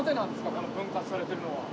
この分割されてるのは。